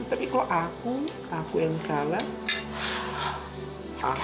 tapi kalau aku aku yang salah